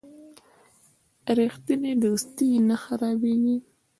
رښتینی دوستي نه خرابیږي.